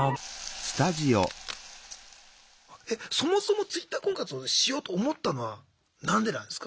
えっそもそもＴｗｉｔｔｅｒ婚活をしようと思ったのは何でなんですか？